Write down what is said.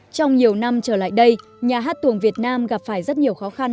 trong nhiều năm trở lại đây nhà hát tuồng việt nam gặp phải rất nhiều khó khăn